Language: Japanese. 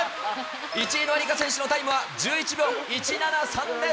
１位の愛花選手のタイムは１１秒１７３です。